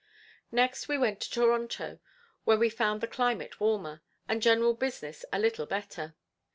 Next we went to Toronto where we found the climate warmer, and general business a little better.